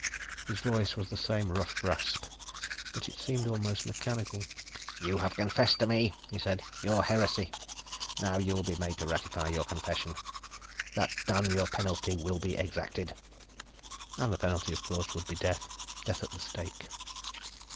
His voice was the same rough rasp, but it seemed almost mechanical. "You have confessed to me," he said, "your heresy. Now, you will be made to ratify your confession. That done, your penalty will be exacted." And the penalty, of course, would be death death at the stake.